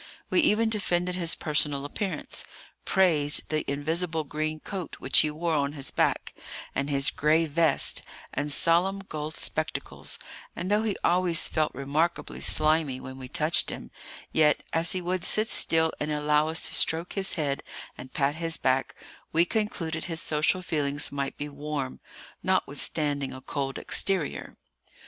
We even defended his personal appearance, praised the invisible green coat which he wore on his back, and his gray vest, and solemn gold spectacles; and though he always felt remarkably slimy when we touched him, yet, as he would sit still and allow us to stroke his head and pat his back, we concluded his social feelings might be warm, notwithstanding a cold exterior.